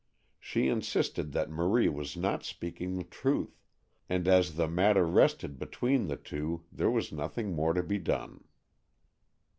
She insisted that Marie was not speaking the truth, and as the matter rested between the two, there was nothing more to be done.